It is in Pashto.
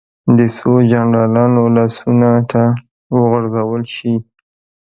د څو جنرالانو لاسونو ته وغورځول شي.